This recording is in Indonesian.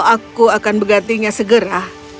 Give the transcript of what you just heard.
aku akan bergantinya segera